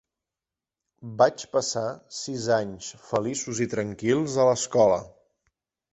Vaig passar sis anys feliços i tranquils a l'escola.